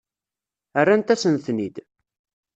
Rrant-asen-ten-id.